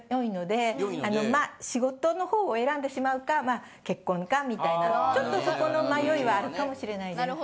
あのまあ仕事のほうを選んでしまうか結婚かみたいなちょっとそこの迷いはあるかもしれないです。